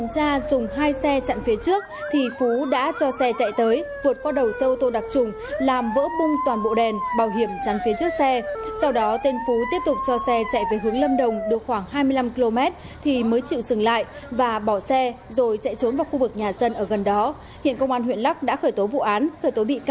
các bạn hãy đăng ký kênh để ủng hộ kênh của chúng mình nhé